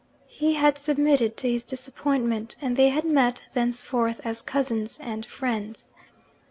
He had submitted to his disappointment; and they had met thenceforth as cousins and friends.